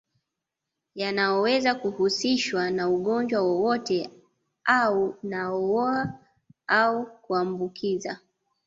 Yanaoweza kuhusishwa na ugonjwa wowote aunaoua au kuambukiza